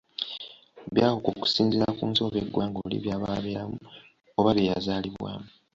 Byawuka okusinziira ku nsi oba eggwanga oli byaba abeeramu oba bye yazaalibwamu.